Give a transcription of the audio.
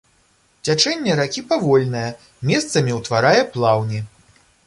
Цячэнне ракі павольнае, месцамі ўтварае плаўні.